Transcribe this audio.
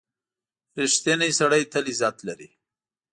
• رښتینی سړی تل عزت لري.